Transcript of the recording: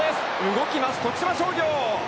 動きます徳島商業。